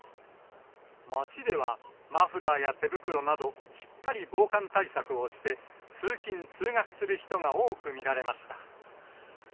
街では、マフラーや手袋など、しっかり防寒対策をして、通勤・通学する人が多く見られました。